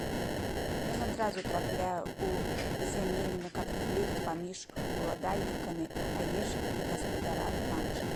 Ён адразу трапляе ў зямельны канфлікт паміж уладальнікамі авечак і гаспадарамі ранча.